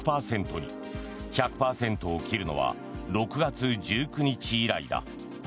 １００％を切るのは６月１９日以来だ。